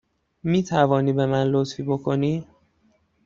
می توانی به من لطفی بکنی؟